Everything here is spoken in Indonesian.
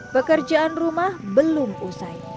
pekerjaan rumah belum usai